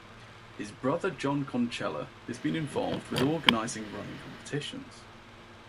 His brother John Konchellah has been involved with organising running competitions.